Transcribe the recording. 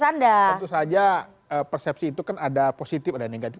tentu saja persepsi itu kan ada positif ada yang negatif